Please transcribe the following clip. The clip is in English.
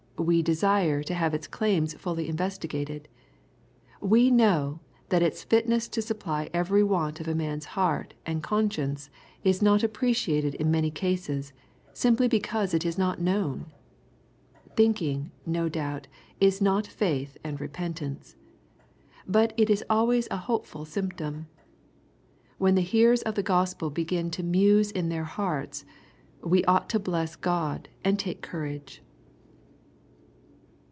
We desire to have its claims fully investigated. We know that its fitness to supply every want of man's heart and con science is not appreciated in many cases, simply because it is not known. Thinking, no doubt, is not faith and repentance. But it is always a hopeful symptom. When hearers of the Gospel begin to " muse in their hearts,'' we ought to bless God and take courage.